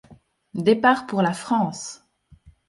Départ pour la France.